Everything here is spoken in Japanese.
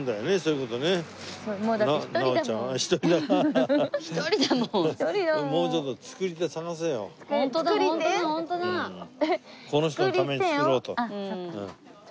この人のために作ろうと。